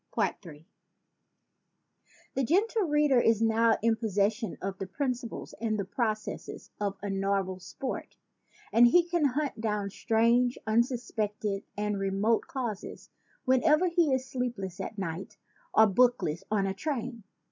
Ill THE Gentle Reader is now in possession of the principles and the processes of a novel sport; and he can hunt down strange, unsuspected and remote causes whenever he is sleepless at night or bookless on a train.